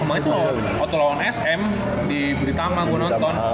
kemarin tuh waktu lawan sm di buditama gue nonton